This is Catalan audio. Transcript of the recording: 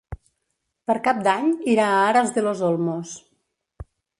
Per Cap d'Any irà a Aras de los Olmos.